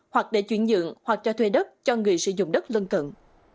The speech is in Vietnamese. hoặc để chuyển nhượng hoặc cho thuê đất cho người sử dụng đất lân cận